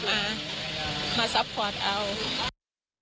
แต่มันผ่านร้านกันได้มันไม่ได้